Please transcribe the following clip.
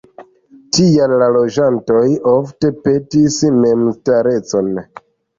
Tial la loĝantoj ofte petis memstarecon.